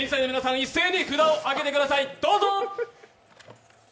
一斉に札を上げてください。